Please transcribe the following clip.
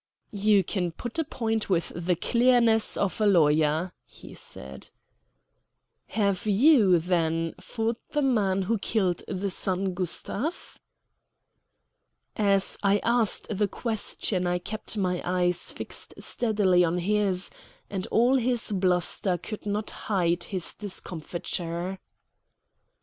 "You can put a point with the clearness of a lawyer," he said. "Have you, then, fought the man who killed the son Gustav?" As I asked the question I kept my eyes fixed steadily on his, and all his bluster could not hide his discomfiture.